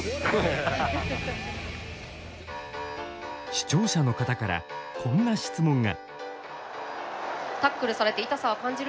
視聴者の方から、こんな質問が。